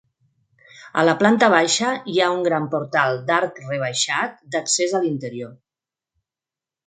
A la planta baixa hi ha un gran portal d'arc rebaixat d'accés a l'interior.